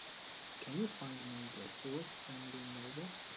Can you find me The Source Family novel?